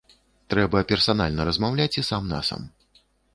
Трэба персанальна размаўляць і сам-насам.